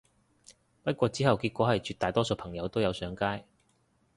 不過之後結果係絕大多數朋友都有上街